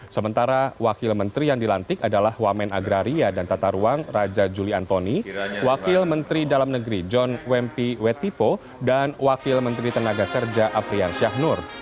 sementara wakil menteri yang dilantik adalah wamen agraria dan tata ruang raja juli antoni wakil menteri dalam negeri john wempi wetipo dan wakil menteri tenaga kerja afrian syahnur